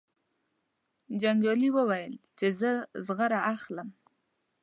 جنګیالي وویل چې زه زغره اخلم.